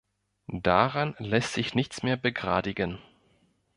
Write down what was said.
Daran lässt sich nichts mehr begradigen.